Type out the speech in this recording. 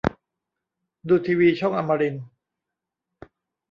ดูทีวีช่องอมรินทร์